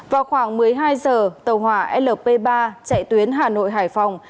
vào khoảng một mươi hai giờ tàu hỏa lp ba chạy tuyến hà nội hải phòng